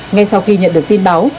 ngay sau khi nhận được tin báo